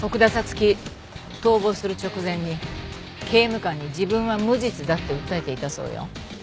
月逃亡する直前に刑務官に自分は無実だって訴えていたそうよ。